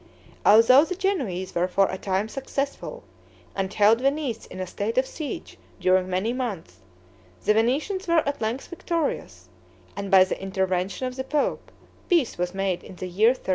Although the Genoese were for a time successful, and held Venice in a state of siege during many months, the Venetians were at length victorious; and by the intervention of the pope, peace was made in the year 1381.